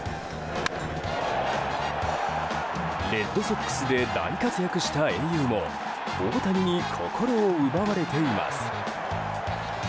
レッドソックスで大活躍した英雄も大谷に心を奪われています。